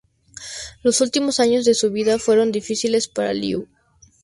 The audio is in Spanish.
Los últimos años de su vida fueron difíciles para Liu.